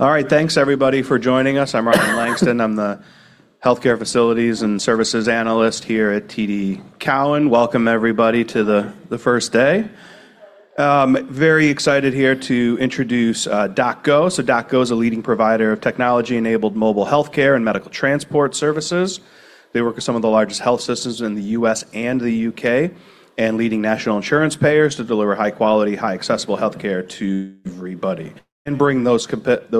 All right, thanks everybody for joining us. I'm Charles Rhyee. I'm the healthcare facilities and services analyst here at TD Cowen. Welcome everybody to the first day. Very excited here to introduce DocGo. DocGo is a leading provider of technology-enabled mobile healthcare and medical transport services. They work with some of the largest health systems in the U.S. and the U.K., and leading national insurance payers to deliver high quality, high accessible healthcare to everybody and bring those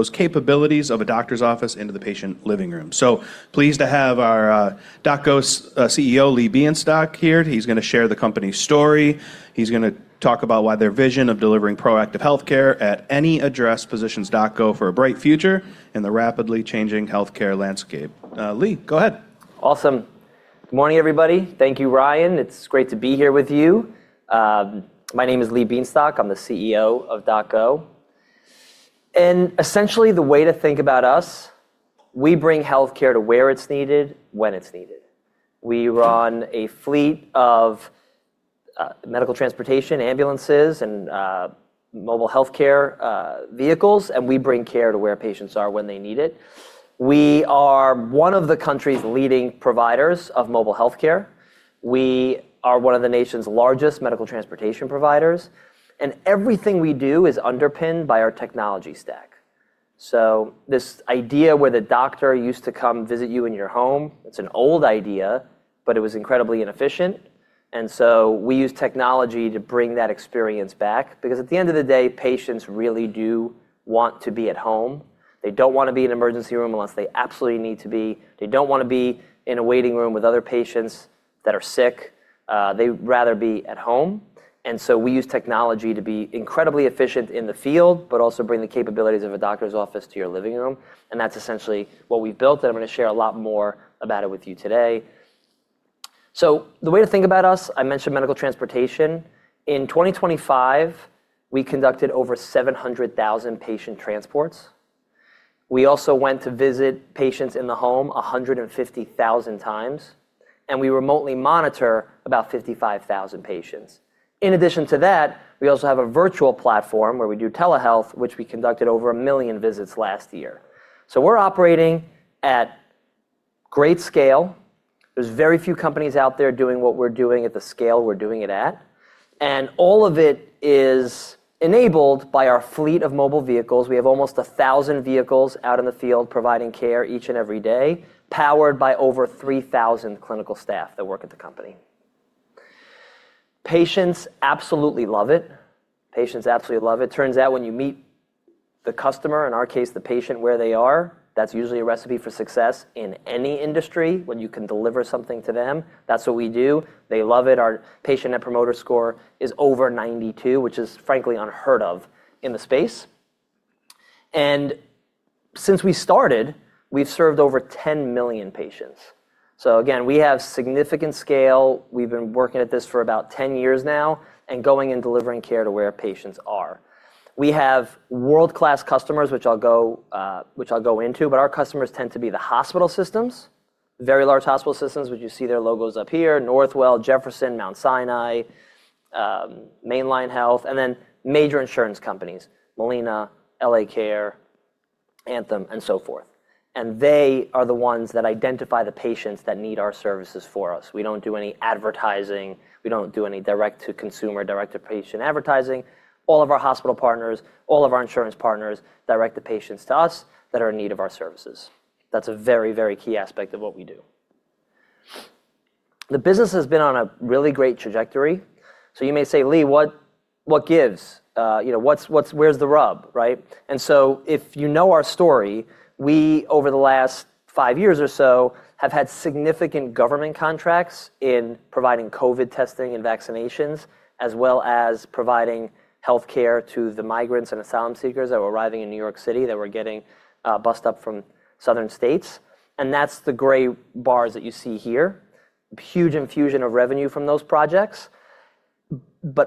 capabilities of a doctor's office into the patient living room. Pleased to have our DocGo's CEO, Lee Bienstock here. He's gonna share the company's story. He's gonna talk about why their vision of delivering proactive healthcare at any address positions DocGo for a bright future in the rapidly changing healthcare landscape. Lee, go ahead. Awesome. Good morning, everybody. Thank you, Rhyee. It's great to be here with you. My name is Lee Bienstock. I'm the CEO of DocGo. Essentially the way to think about us, we bring healthcare to where it's needed, when it's needed. We run a fleet of medical transportation, ambulances, and mobile healthcare vehicles, and we bring care to where patients are when they need it. We are one of the country's leading providers of mobile healthcare. We are one of the nation's largest medical transportation providers, everything we do is underpinned by our technology stack. This idea where the doctor used to come visit you in your home, it's an old idea, but it was incredibly inefficient, and so we use technology to bring that experience back because at the end of the day, patients really do want to be at home. They don't wanna be in an emergency room unless they absolutely need to be. They don't wanna be in a waiting room with other patients that are sick. They'd rather be at home. We use technology to be incredibly efficient in the field, but also bring the capabilities of a doctor's office to your living room, and that's essentially what we built, and I'm gonna share a lot more about it with you today. The way to think about us, I mentioned medical transportation. In 2025, we conducted over 700,000 patient transports. We also went to visit patients in the home 150,000 times, and we remotely monitor about 55,000 patients. In addition to that, we also have a virtual platform where we do telehealth, which we conducted over 1 million visits last year. We're operating at great scale. There's very few companies out there doing what we're doing at the scale we're doing it at, and all of it is enabled by our fleet of mobile vehicles. We have almost 1,000 vehicles out in the field providing care each and every day, powered by over 3,000 clinical staff that work at the company. Patients absolutely love it. Turns out when you meet the customer, in our case, the patient, where they are, that's usually a recipe for success in any industry when you can deliver something to them. That's what we do. They love it. Our patient Net Promoter Score is over 92, which is frankly unheard of in the space. Since we started, we've served over 10 million patients. Again, we have significant scale. We've been working at this for about 10 years now, going and delivering care to where patients are. We have world-class customers, which I'll go into. Our customers tend to be the hospital systems, very large hospital systems, which you see their logos up here, Northwell, Jefferson, Mount Sinai, Main Line Health, and then major insurance companies, Molina, L.A. Care, Anthem, and so forth. They are the ones that identify the patients that need our services for us. We don't do any advertising. We don't do any direct to consumer, direct to patient advertising. All of our hospital partners, all of our insurance partners direct the patients to us that are in need of our services. That's a very, very key aspect of what we do. The business has been on a really great trajectory. You may say, Lee, what gives? You know, what's, where's the rub, right? If you know our story, we, over the last 5 years or so, have had significant government contracts in providing COVID testing and vaccinations, as well as providing healthcare to the migrants and asylum seekers that were arriving in New York City that were getting bussed up from southern states. That's the gray bars that you see here. Huge infusion of revenue from those projects.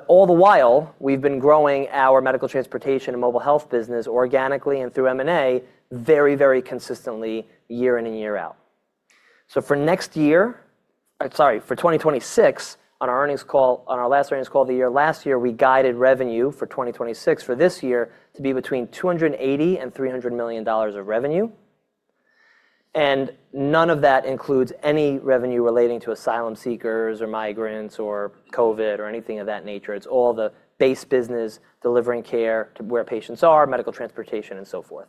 All the while, we've been growing our medical transportation and mobile health business organically and through M&A very, very consistently year in and year out. For next year, sorry, for 2026, on our last earnings call of the year last year, we guided revenue for 2026 for this year to be between $280 million and $300 million of revenue, and none of that includes any revenue relating to asylum seekers or migrants or COVID or anything of that nature. It's all the base business delivering care to where patients are, medical transportation, and so forth.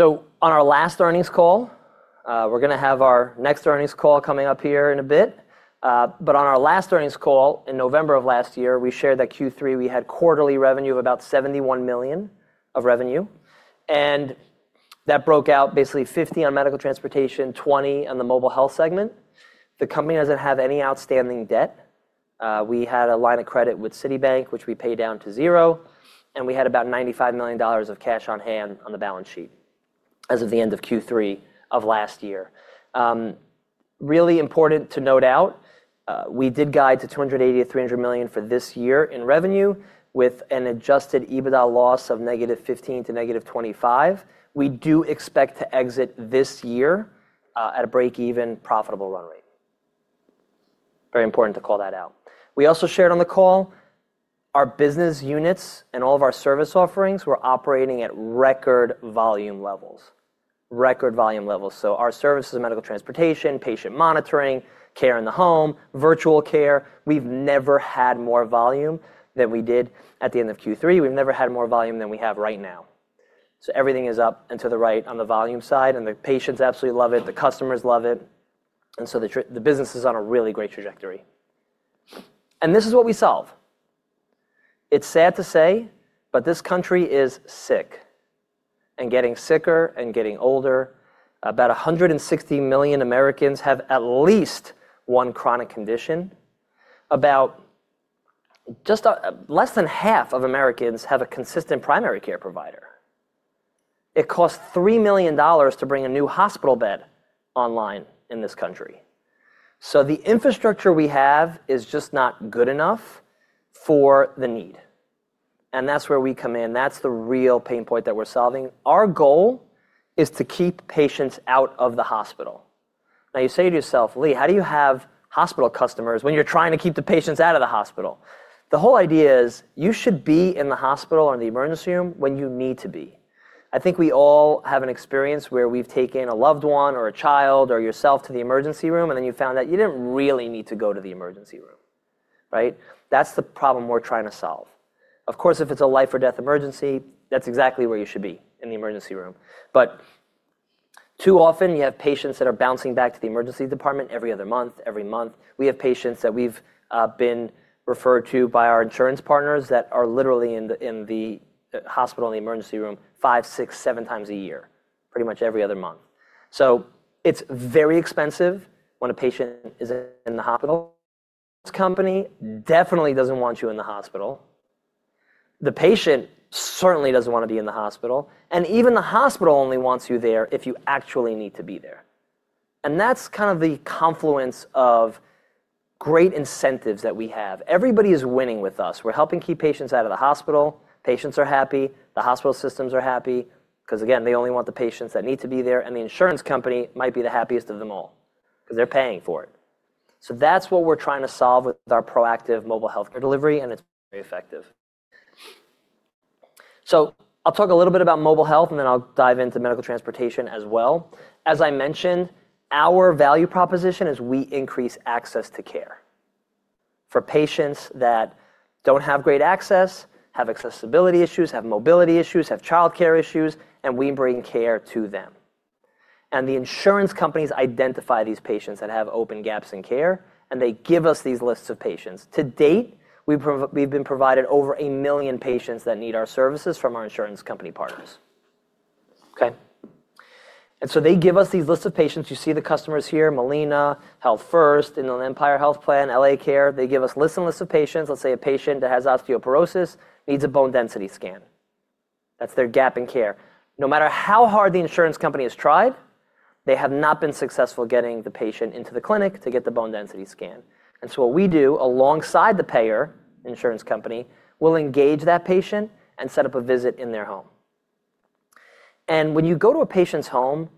On our last earnings call, we're gonna have our next earnings call coming up here in a bit. On our last earnings call in November of last year, we shared that Q3 we had quarterly revenue of about $71 million of revenue, and that broke out basically $50 million on medical transportation, $20 million on the mobile health segment. The company doesn't have any outstanding debt. We had a line of credit with Citibank, which we paid down to 0, and we had about $95 million of cash on hand on the balance sheet as of the end of Q3 of last year. Really important to note out, we did guide to $280-$300 million for this year in revenue with an adjusted EBITDA loss of -$15 to -$25 million. We do expect to exit this year at a break-even profitable run rate. Very important to call that out. We also shared on the call our business units and all of our service offerings were operating at record volume levels. Record volume levels. Our services, medical transportation, patient monitoring, care in the home, virtual care, we've never had more volume than we did at the end of Q3. We've never had more volume than we have right now. Everything is up and to the right on the volume side, the patients absolutely love it, the customers love it, the business is on a really great trajectory. This is what we solve. It's sad to say, this country is sick and getting sicker and getting older. About 160 million Americans have at least one chronic condition. About less than half of Americans have a consistent primary care provider. It costs $3 million to bring a new hospital bed online in this country. The infrastructure we have is just not good enough for the need, and that's where we come in. That's the real pain point that we're solving. Our goal is to keep patients out of the hospital. You say to yourself, "Lee, how do you have hospital customers when you're trying to keep the patients out of the hospital?" The whole idea is you should be in the hospital or in the emergency room when you need to be. I think we all have an experience where we've taken a loved one or a child or yourself to the emergency room, and then you found out you didn't really need to go to the emergency room, right? That's the problem we're trying to solve. Of course, if it's a life or death emergency, that's exactly where you should be, in the emergency room. Too often you have patients that are bouncing back to the emergency department every other month, every month. We have patients that we've been referred to by our insurance partners that are literally in the hospital, in the emergency room 5, 6, 7 times a year. Pretty much every other month. It's very expensive when a patient is in the hospital. This company definitely doesn't want you in the hospital. The patient certainly doesn't wanna be in the hospital, even the hospital only wants you there if you actually need to be there. That's kind of the confluence of great incentives that we have. Everybody is winning with us. We're helping keep patients out of the hospital. Patients are happy. The hospital systems are happy. 'Cause again, they only want the patients that need to be there, the insurance company might be the happiest of them all 'cause they're paying for it. That's what we're trying to solve with our proactive mobile healthcare delivery, and it's very effective. I'll talk a little bit about mobile health, and then I'll dive into medical transportation as well. As I mentioned, our value proposition is we increase access to care for patients that don't have great access, have accessibility issues, have mobility issues, have childcare issues, and we bring care to them. The insurance companies identify these patients that have open gaps in care, and they give us these lists of patients. To date, we've been provided over 1 million patients that need our services from our insurance company partners. Okay. They give us these lists of patients. You see the customers here, Molina, Health First, and the Empire Health Plan, L.A. Care. They give us lists and lists of patients. Let's say a patient that has osteoporosis needs a bone density scan. That's their care gap closure. No matter how hard the insurance company has tried, they have not been successful getting the patient into the clinic to get the bone density scan. What we do alongside the payer, insurance company, we'll engage that patient and set up a visit in their home. When you go to a patient's home,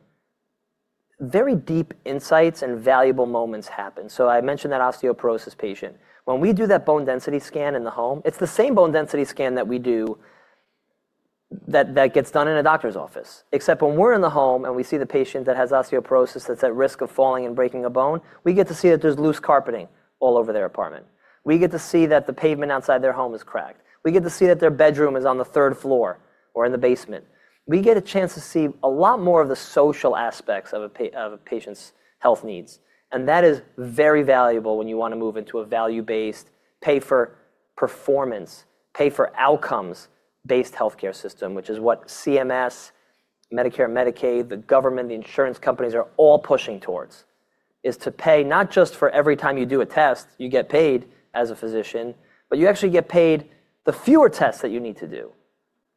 very deep insights and valuable moments happen. I mentioned that osteoporosis patient. When we do that bone density scan in the home, it's the same bone density scan that gets done in a doctor's office. When we're in the home, and we see the patient that has osteoporosis that's at risk of falling and breaking a bone, we get to see that there's loose carpeting all over their apartment. We get to see that the pavement outside their home is cracked. We get to see that their bedroom is on the third floor or in the basement. We get a chance to see a lot more of the social aspects of a patient's health needs. That is very valuable when you wanna move into a value-based, pay-for-performance, pay-for-outcomes-based healthcare system, which is what CMS, Medicare, Medicaid, the government, the insurance companies are all pushing towards, is to pay not just for every time you do a test, you get paid as a physician, but you actually get paid the fewer tests that you need to do.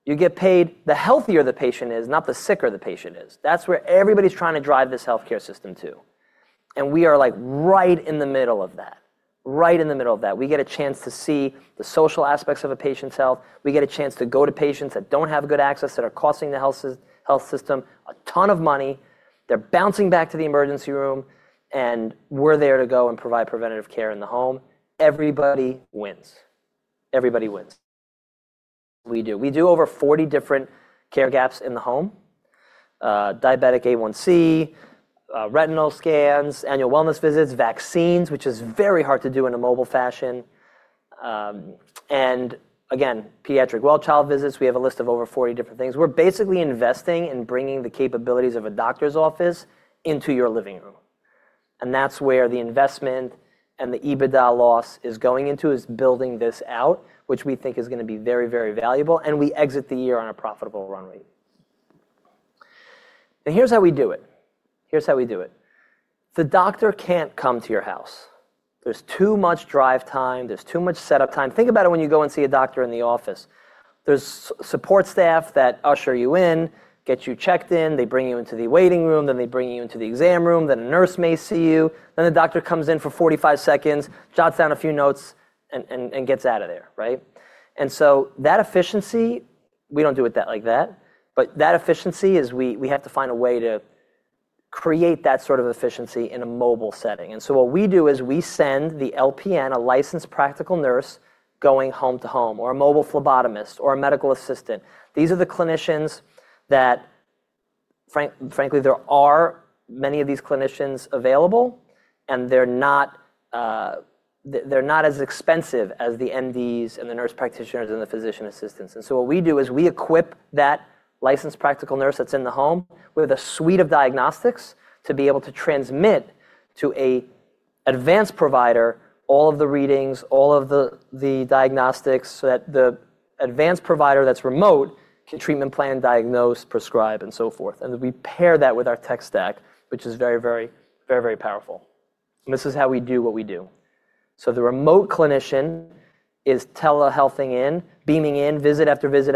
You get paid the healthier the patient is, not the sicker the patient is. That's where everybody's trying to drive this healthcare system to. We are, like, right in the middle of that. Right in the middle of that. We get a chance to see the social aspects of a patient's health. We get a chance to go to patients that don't have good access, that are costing the health system a ton of money. They're bouncing back to the emergency room, and we're there to go and provide preventative care in the home. Everybody wins. Everybody wins. We do. We do over 40 different care gaps in the home. diabetic A1C, retinal scans, annual wellness visits, vaccines, which is very hard to do in a mobile fashion. Again, pediatric well-child visits. We have a list of over 40 different things. We're basically investing in bringing the capabilities of a doctor's office into your living room, that's where the investment and the EBITDA loss is going into, is building this out, which we think is gonna be very, very valuable. We exit the year on a profitable run rate. Here's how we do it. The doctor can't come to your house. There's too much drive time. There's too much set-up time. Think about it when you go and see a doctor in the office. There's support staff that usher you in, get you checked in, they bring you into the waiting room, then they bring you into the exam room, then a nurse may see you, then the doctor comes in for 45 seconds, jots down a few notes, and gets out of there, right? That efficiency. We don't do it like that, but that efficiency is we have to find a way to create that sort of efficiency in a mobile setting. What we do is we send the LPN, a licensed practical nurse, going home to home, or a mobile phlebotomist or a medical assistant. These are the clinicians that frankly, there are many of these clinicians available, and they're not as expensive as the MDs and the nurse practitioners and the physician assistants. What we do is we equip that licensed practical nurse that's in the home with a suite of diagnostics to be able to transmit to a advanced provider all of the readings, all of the diagnostics so that the advanced provider that's remote can treatment plan, diagnose, prescribe, and so forth. We pair that with our tech stack, which is very powerful. This is how we do what we do. The remote clinician is telehealthing in, beaming in visit after visit,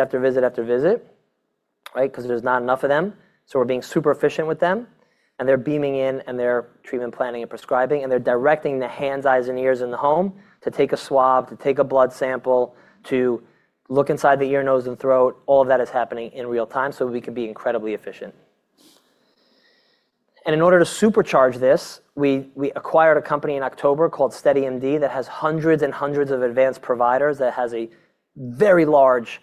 right. Because there's not enough of them, so we're being super efficient with them, and they're beaming in, and they're treatment planning and prescribing, and they're directing the hands, eyes and ears in the home to take a swab, to take a blood sample, to look inside the ear, nose and throat. All of that is happening in real time so we can be incredibly efficient. In order to supercharge this, we acquired a company in October called SteadyMD that has hundreds and hundreds of advanced providers, that has a very large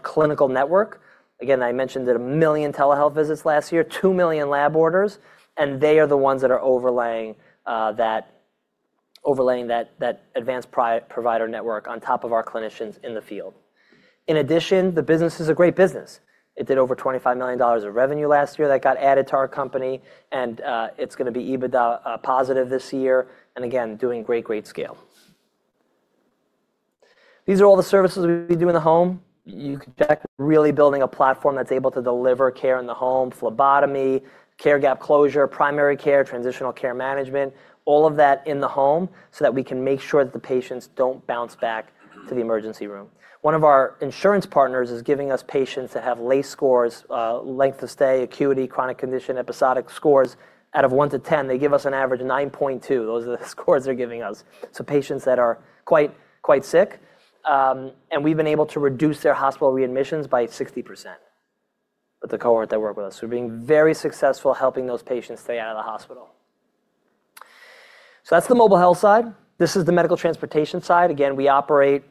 clinical network. I mentioned they did $1 million telehealth visits last year, $2 million lab orders, and they are the ones that are overlaying that advanced provider network on top of our clinicians in the field. In addition, the business is a great business. It did over $25 million of revenue last year that got added to our company. It's gonna be EBITDA positive this year. Again, doing great scale. These are all the services we do in the home. You can check, really building a platform that's able to deliver care in the home, phlebotomy, care gap closure, primary care, transitional care management, all of that in the home so that we can make sure that the patients don't bounce back to the emergency room. One of our insurance partners is giving us patients that have LACE scores, length of stay, acuity, chronic condition, episodic scores out of 1 to 10. They give us an average of 9.2. Those are the scores they're giving us. Patients that are quite sick. We've been able to reduce their hospital readmissions by 60% with the cohort that work with us. We're being very successful helping those patients stay out of the hospital. That's the mobile health side. This is the medical transportation side. Again, we operate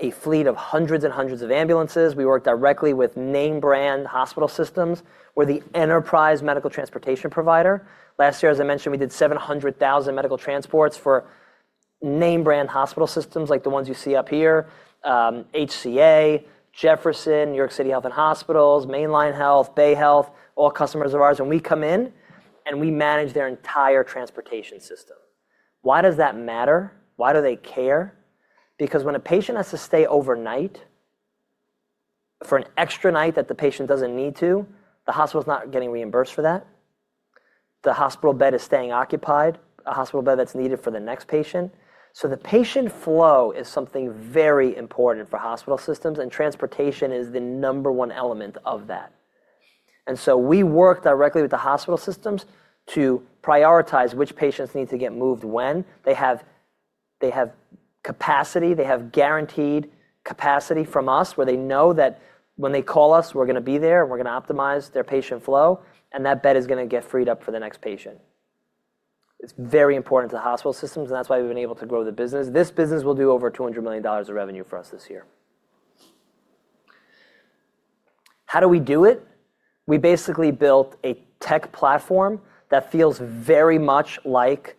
a fleet of hundreds and hundreds of ambulances. We work directly with name brand hospital systems. We're the enterprise medical transportation provider. Last year, as I mentioned, we did 700,000 medical transports for name brand hospital systems like the ones you see up here, HCA, Jefferson, New York City Health and Hospitals, Main Line Health, Bayhealth, all customers of ours. We come in and we manage their entire transportation system. Why does that matter? Why do they care? Because when a patient has to stay overnight for an extra night that the patient doesn't need to, the hospital's not getting reimbursed for that. The hospital bed is staying occupied, a hospital bed that's needed for the next patient. The patient flow is something very important for hospital systems, and transportation is the number 1 element of that. We work directly with the hospital systems to prioritize which patients need to get moved when. They have capacity, they have guaranteed capacity from us, where they know that when they call us, we're gonna be there, and we're gonna optimize their patient flow, and that bed is gonna get freed up for the next patient. It's very important to the hospital systems, and that's why we've been able to grow the business. This business will do over $200 million of revenue for us this year. How do we do it? We basically built a tech platform that feels very much like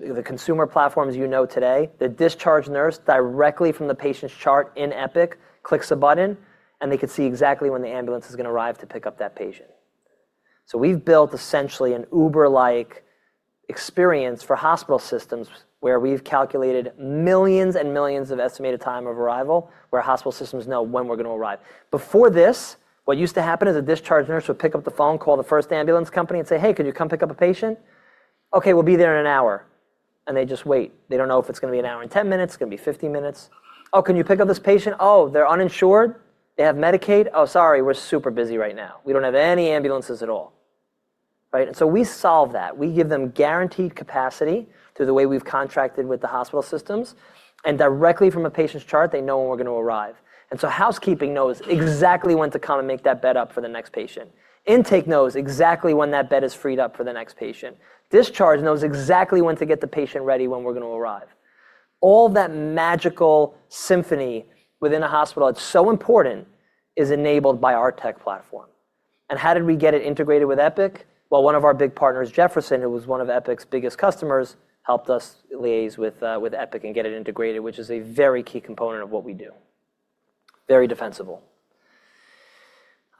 the consumer platforms you know today. The discharge nurse directly from the patient's chart in Epic clicks a button, and they can see exactly when the ambulance is gonna arrive to pick up that patient. We've built essentially an Uber-like experience for hospital systems where we've calculated millions and millions of estimated time of arrival, where hospital systems know when we're gonna arrive. Before this, what used to happen is a discharge nurse would pick up the phone, call the first ambulance company and say, "Hey, could you come pick up a patient?" "Okay, we'll be there in an hour." They just wait. They don't know if it's gonna be an hour and ten minutes, it's gonna be fifty minutes. "Oh, can you pick up this patient?" "Oh, they're uninsured. They have Medicaid." "Oh, sorry, we're super busy right now. We don't have any ambulances at all." Right? We solve that. We give them guaranteed capacity through the way we've contracted with the hospital systems. Directly from a patient's chart, they know when we're gonna arrive. Housekeeping knows exactly when to come and make that bed up for the next patient. Intake knows exactly when that bed is freed up for the next patient. Discharge knows exactly when to get the patient ready, when we're gonna arrive. All that magical symphony within a hospital, it's so important, is enabled by our tech platform. How did we get it integrated with Epic? Well, one of our big partners, Jefferson, who was one of Epic's biggest customers, helped us liaise with Epic and get it integrated, which is a very key component of what we do. Very defensible.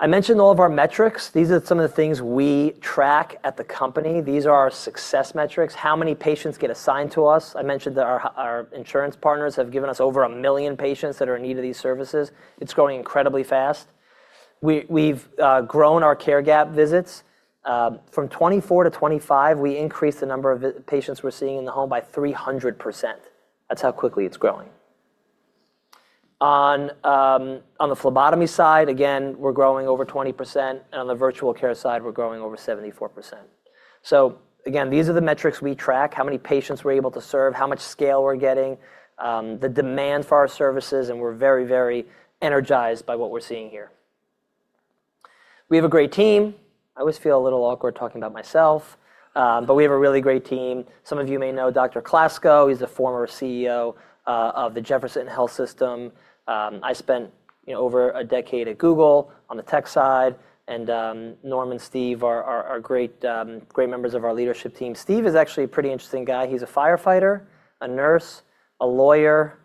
I mentioned all of our metrics. These are some of the things we track at the company. These are our success metrics. How many patients get assigned to us? I mentioned that our insurance partners have given us over 1 million patients that are in need of these services. It's growing incredibly fast. We've grown our care gap visits. From 2024 to 2025, we increased the number of patients we're seeing in the home by 300%. That's how quickly it's growing. On the phlebotomy side, again, we're growing over 20%, and on the virtual care side, we're growing over 74%. Again, these are the metrics we track, how many patients we're able to serve, how much scale we're getting, the demand for our services, and we're very, very energized by what we're seeing here. We have a great team. I always feel a little awkward talking about myself, but we have a really great team. Some of you may know Dr. Klasko, he's the former CEO of the Jefferson Health. I spent, you know, over a decade at Google on the tech side. Norm and Steve are great members of our leadership team. Steve is actually a pretty interesting guy. He's a firefighter, a nurse, a lawyer.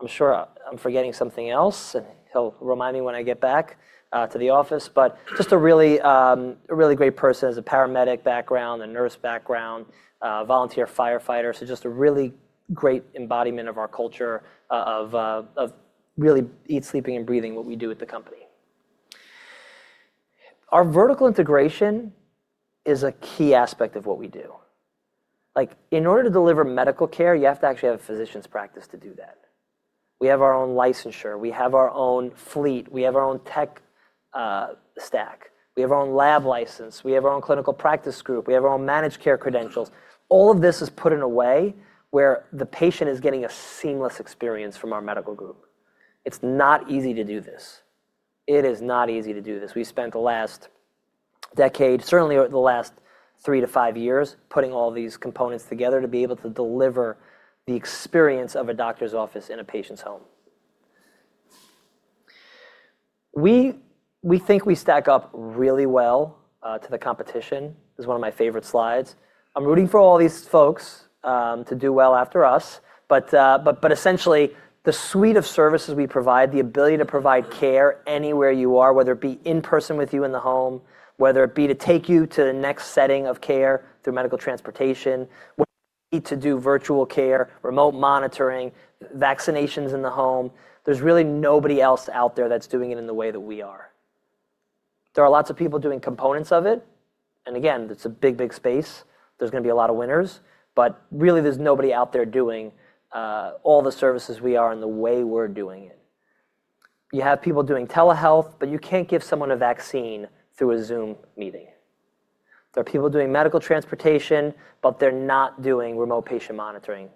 I'm sure I'm forgetting something else, he'll remind me when I get back to the office. Just a really great person. Has a paramedic background, a nurse background, a volunteer firefighter. Just a really great embodiment of our culture of really eat, sleeping, and breathing what we do at the company. Our vertical integration is a key aspect of what we do. Like, in order to deliver medical care, you have to actually have a physician's practice to do that. We have our own licensure. We have our own fleet. We have our own tech stack. We have our own lab license. We have our own clinical practice group. We have our own managed care credentials. All of this is put in a way where the patient is getting a seamless experience from our medical group. It's not easy to do this. It is not easy to do this. We spent the last decade, certainly over the last three to five years, putting all these components together to be able to deliver the experience of a doctor's office in a patient's home. We think we stack up really well to the competition. This is one of my favorite slides. I'm rooting for all these folks, to do well after us. Essentially the suite of services we provide, the ability to provide care anywhere you are, whether it be in person with you in the home, whether it be to take you to the next setting of care through medical transportation, what to do virtual care, Remote Monitoring, vaccinations in the home. There's really nobody else out there that's doing it in the way that we are. There are lots of people doing components of it. Again, it's a big, big space. There's gonna be a lot of winners. Really there's nobody out there doing all the services we are and the way we're doing it. You have people doing telehealth. You can't give someone a vaccine through a Zoom meeting. There are people doing medical transportation, but they're not doing Remote Patient Monitoring,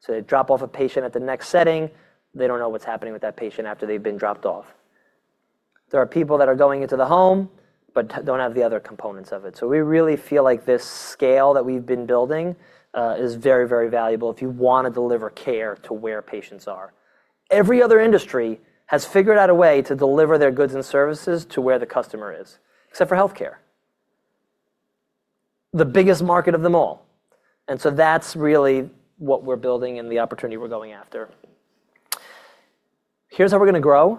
so they drop off a patient at the next setting, they don't know what's happening with that patient after they've been dropped off. There are people that are going into the home but don't have the other components of it, so we really feel like this scale that we've been building is very, very valuable if you wanna deliver care to where patients are. Every other industry has figured out a way to deliver their goods and services to where the customer is, except for healthcare, the biggest market of them all. That's really what we're building and the opportunity we're going after. Here's how we're gonna grow.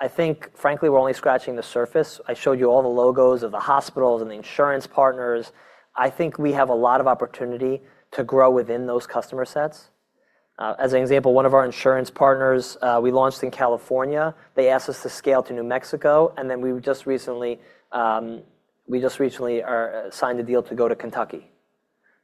I think frankly we're only scratching the surface. I showed you all the logos of the hospitals and the insurance partners. I think we have a lot of opportunity to grow within those customer sets. As an example, one of our insurance partners, we launched in California, they asked us to scale to New Mexico, we just recently are signed the deal to go to Kentucky.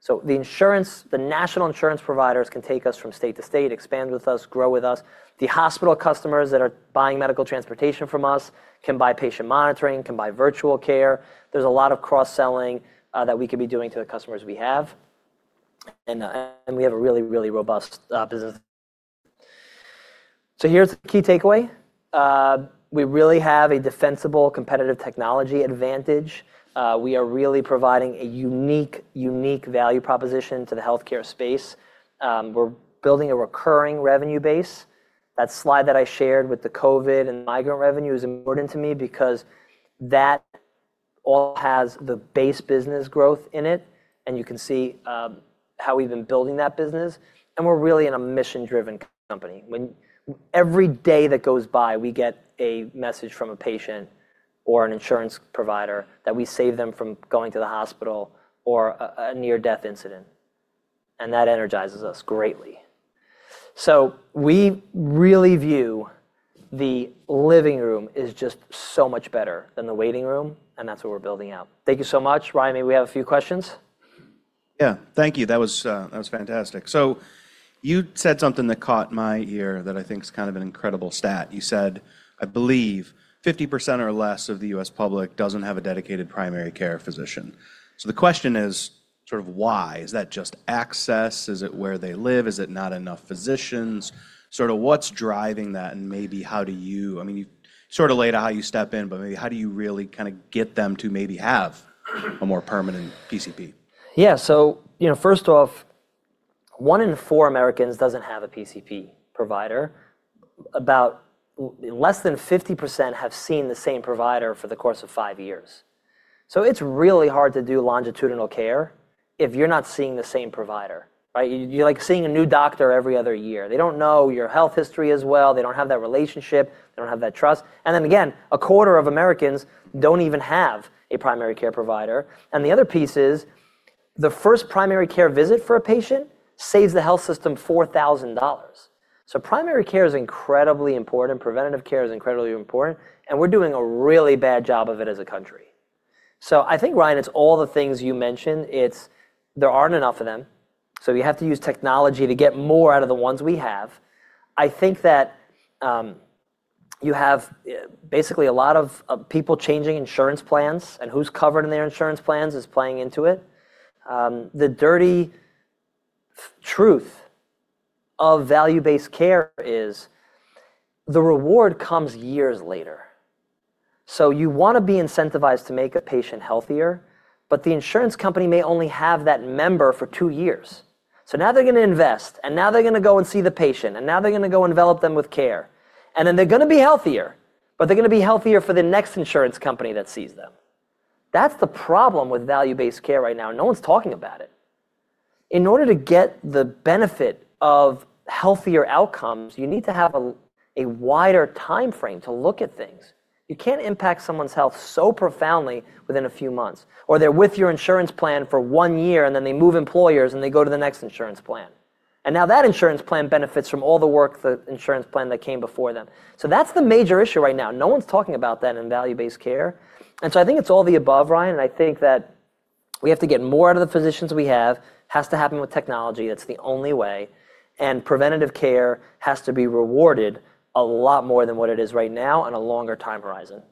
The insurance, the national insurance providers can take us from state to state, expand with us, grow with us. The hospital customers that are buying medical transportation from us can buy patient monitoring, can buy virtual care. There's a lot of cross-selling that we could be doing to the customers we have. We have a really robust business. Here's the key takeaway. We really have a defensible, competitive technology advantage. We are really providing a unique value proposition to the healthcare space. We're building a recurring revenue base. That slide that I shared with the COVID and migrant revenue is important to me because that all has the base business growth in it, and you can see how we've been building that business. We're really in a mission-driven company. Every day that goes by, we get a message from a patient or an insurance provider that we saved them from going to the hospital or a near-death incident, and that energizes us greatly. We really view the living room is just so much better than the waiting room, and that's what we're building out. Thank you so much. Ryan, may we have a few questions? Yeah. Thank you. That was fantastic. You said something that caught my ear that I think is kind of an incredible stat. You said, I believe, 50% or less of the U.S. public doesn't have a dedicated primary care physician. The question is sort of why? Is that just access? Is it where they live? Is it not enough physicians? Sort of what's driving that and maybe I mean, you sort of laid out how you step in, but maybe how do you really kinda get them to maybe have a more permanent PCP? Yeah. you know, first off, one in four Americans doesn't have a PCP provider. less than 50% have seen the same provider for the course of five years. It's really hard to do longitudinal care if you're not seeing the same provider, right? you're like seeing a new doctor every other year. They don't know your health history as well. They don't have that relationship. They don't have that trust. Then again, a quarter of Americans don't even have a primary care provider. The other piece is, the first primary care visit for a patient saves the health system $4,000. Primary care is incredibly important. Preventative care is incredibly important, and we're doing a really bad job of it as a country. I think, Rhyee, it's all the things you mentioned. It's, there aren't enough of them, so we have to use technology to get more out of the ones we have. I think that, you have, basically a lot of people changing insurance plans, and who's covered in their insurance plans is playing into it. The dirty truth of value-based care is the reward comes years later. You wanna be incentivized to make a patient healthier, but the insurance company may only have that member for two years. Now they're gonna invest, now they're gonna go and see the patient, now they're gonna go envelop them with care. Then they're gonna be healthier, but they're gonna be healthier for the next insurance company that sees them. That's the problem with value-based care right now, no one's talking about it. In order to get the benefit of healthier outcomes, you need to have a wider timeframe to look at things. You can't impact someone's health so profoundly within a few months, or they're with your insurance plan for one year and then they move employers and they go to the next insurance plan. Now that insurance plan benefits from all the work the insurance plan that came before them. That's the major issue right now. No one's talking about that in value-based care. I think it's all the above, Rhyee, and I think that we have to get more out of the physicians we have, has to happen with technology, that's the only way, and preventative care has to be rewarded a lot more than what it is right now on a longer time horizon.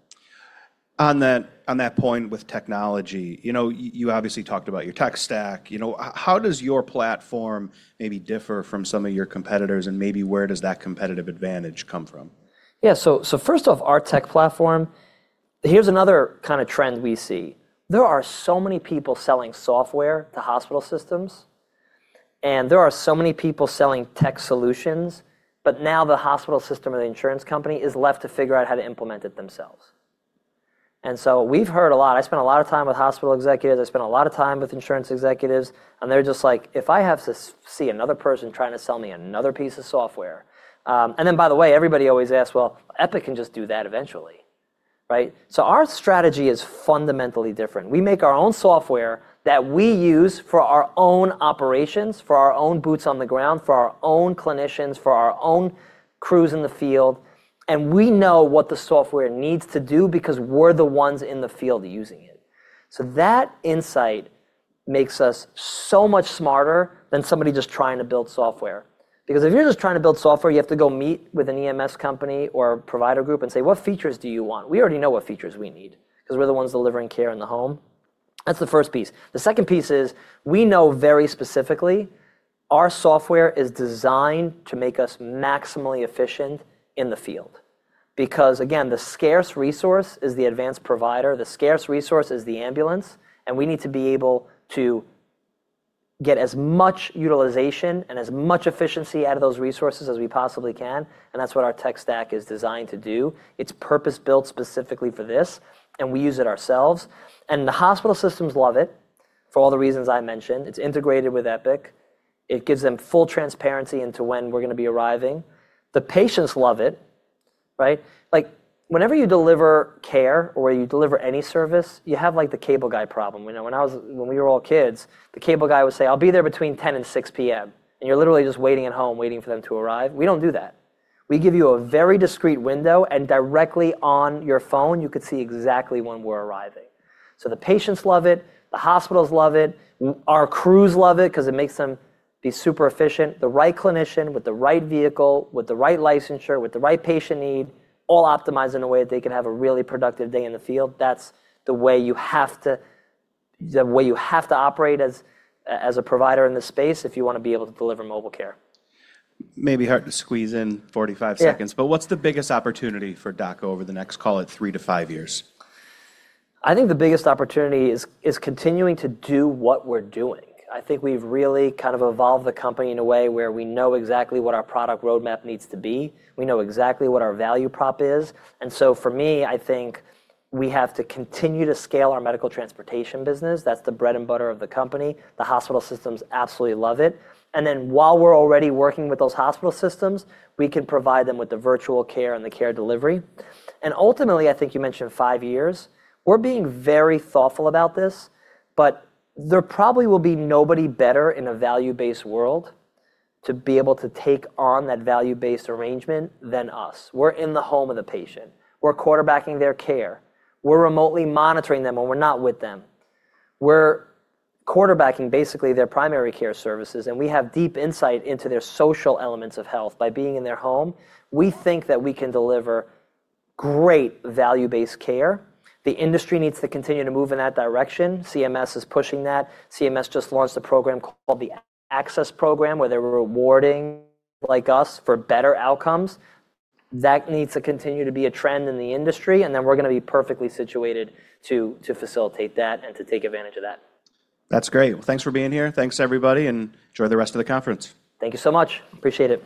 On that point with technology, you know, you obviously talked about your tech stack. You know, how does your platform maybe differ from some of your competitors, and maybe where does that competitive advantage come from? Yeah, so first off, our tech platform, here's another kind of trend we see. There are so many people selling software to hospital systems, and there are so many people selling tech solutions, but now the hospital system or the insurance company is left to figure out how to implement it themselves. We've heard a lot. I spent a lot of time with hospital executives. I spent a lot of time with insurance executives, and they're just like, "If I have to see another person trying to sell me another piece of software..." By the way, everybody always asks, "Well, Epic can just do that eventually." Right? Our strategy is fundamentally different. We make our own software that we use for our own operations, for our own boots on the ground, for our own clinicians, for our own crews in the field. We know what the software needs to do because we're the ones in the field using it. That insight makes us so much smarter than somebody just trying to build software. If you're just trying to build software, you have to go meet with an EMS company or a provider group and say, "What features do you want?" We already know what features we need, 'cause we're the ones delivering care in the home. That's the first piece. The second piece is, we know very specifically our software is designed to make us maximally efficient in the field. Again, the scarce resource is the advanced provider, the scarce resource is the ambulance, and we need to be able to get as much utilization and as much efficiency out of those resources as we possibly can, and that's what our tech stack is designed to do. It's purpose-built specifically for this, and we use it ourselves. The hospital systems love it for all the reasons I mentioned. It's integrated with Epic. It gives them full transparency into when we're gonna be arriving. The patients love it, right? Like, whenever you deliver care or you deliver any service, you have, like, the cable guy problem. You know, when I was, when we were all kids, the cable guy would say, "I'll be there between 10:00 and 6:00PM," and you're literally just waiting at home waiting for them to arrive. We don't do that. We give you a very discreet window. Directly on your phone you can see exactly when we're arriving. The patients love it. The hospitals love it. Our crews love it, 'cause it makes them be super efficient. The right clinician with the right vehicle, with the right licensure, with the right patient need, all optimized in a way that they can have a really productive day in the field. That's the way you have to operate as a provider in this space if you wanna be able to deliver mobile care. May be hard to squeeze in 45 seconds. Yeah What's the biggest opportunity for DocGo over the next, call it, three to five years? I think the biggest opportunity is continuing to do what we're doing. I think we've really kind of evolved the company in a way where we know exactly what our product roadmap needs to be. We know exactly what our value prop is. For me, I think we have to continue to scale our medical transportation business. That's the bread and butter of the company. The hospital systems absolutely love it. While we're already working with those hospital systems, we can provide them with the virtual care and the care delivery. Ultimately, I think you mentioned 5 years, we're being very thoughtful about this, but there probably will be nobody better in a value-based world to be able to take on that value-based arrangement than us. We're in the home of the patient. We're quarterbacking their care. We're remotely monitoring them when we're not with them. We're quarterbacking basically their primary care services, and we have deep insight into their social elements of health by being in their home. We think that we can deliver great value-based care. The industry needs to continue to move in that direction. CMS is pushing that. CMS just launched a program called the Access program, where they're rewarding people like us for better outcomes. That needs to continue to be a trend in the industry, and then we're gonna be perfectly situated to facilitate that and to take advantage of that. That's great. Well, thanks for being here, and thanks, everybody, and enjoy the rest of the conference. Thank you so much. Appreciate it.